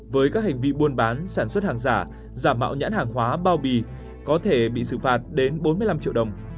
với các hành vi buôn bán sản xuất hàng giả giảm mạo nhãn hàng hóa bao bì có thể bị xử phạt đến bốn mươi năm triệu đồng